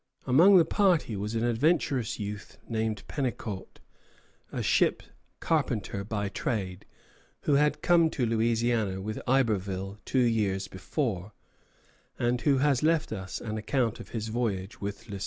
Among the party was an adventurous youth named Penecaut, a ship carpenter by trade, who had come to Louisiana with Iberville two years before, and who has left us an account of his voyage with Le Sueur.